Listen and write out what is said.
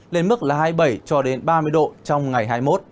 lên mức là hai mươi bảy cho đến ba mươi độ trong ngày hai mươi một